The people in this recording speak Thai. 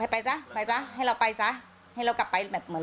เขาทำทำไมฮะทำไมจะอะไรแบบก็ให้นุ้นเห็น